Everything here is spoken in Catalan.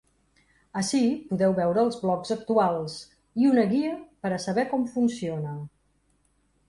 Ací podeu veure els blocs actuals i una guia per a saber com funciona.